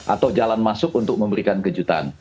atau jalan masuk untuk memberikan kejutan